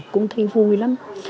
cũng thấy vui lắm